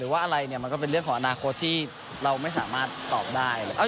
ซึ่งเจ้าตัวก็ยอมรับว่าเออก็คงจะเลี่ยงไม่ได้หรอกที่จะถูกมองว่าจับปลาสองมือ